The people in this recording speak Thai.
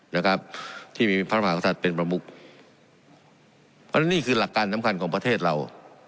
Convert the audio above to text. นะครับที่มีพระราชาธิประชาธิเป็นประมุกแล้วนี่คือหลักการสำคัญของประเทศเรา